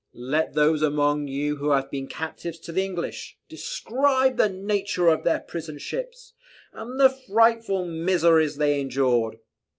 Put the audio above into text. "Let those among you who have been captives to the English, describe the nature of their prison ships, and the frightful miseries they endured.